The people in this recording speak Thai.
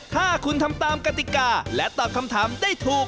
ถ้าคุณทำตามกติกาและตอบคำถามได้ถูก